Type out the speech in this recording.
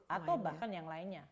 atau bahkan yang lainnya